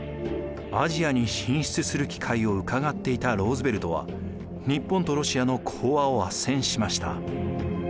アジアに進出する機会をうかがっていたローズヴェルトは日本とロシアの講和を斡旋しました。